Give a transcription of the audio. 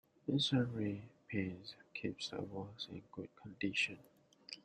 Masonry paint keeps the walls in good condition.